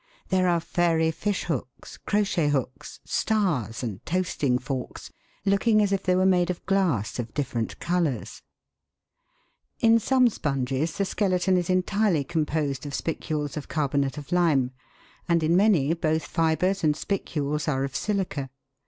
There are fairy fish hooks, crochet hooks, stars, and toasting forks, looking as if they were made of glass of different colours. (Fig. 30.) In some sponges the skeleton is entirely composed of spicules of carbonate of lime ; and in many both fibres and spicules are of silica.